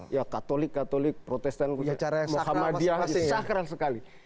ya katolik katolik protestan muhammadiyah sakral sekali